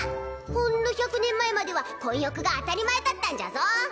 ほんの百年前までは混浴が当たり前だったんじゃぞ！